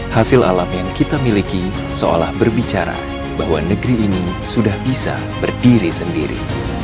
hasil alam yang kita miliki seolah berbicara bahwa negeri ini sudah bisa berdiri sendiri